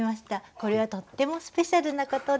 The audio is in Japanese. これはとってもスペシャルなことです。